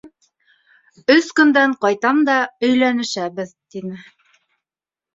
Өс көндән ҡайтам да, өйләнешәбеҙ, тине.